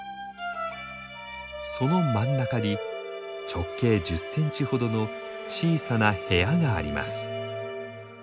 その真ん中に直径１０センチほどの小さな部屋があります。